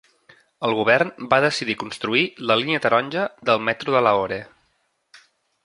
El govern va decidir construir la línia taronja del metro de Lahore.